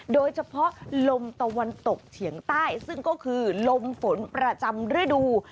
โดยเฉพาะลมตะวันตกเฉียงใต้ซึ่งก็คือลมฝนประจำฤดู